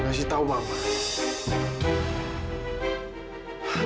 gak kasih tahu mama